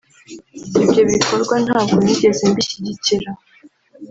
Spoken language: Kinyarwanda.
Ibyo bikorwa ntabwo nigeze mbishyigikira